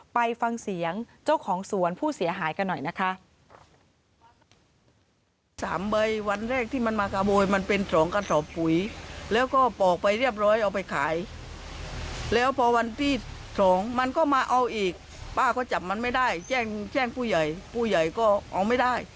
ไปฟังเสียงเจ้าของสวนผู้เสียหายกันหน่อยนะคะ